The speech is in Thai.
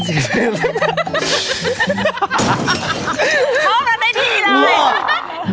เข้ามันได้ดีเลย